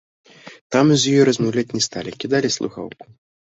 Там з ёй размаўляць не сталі, кідалі слухаўку.